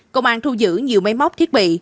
công an thu giữ nhiều máy móc thiết bị